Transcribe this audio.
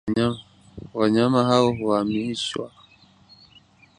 wanyama hao huhamishiwa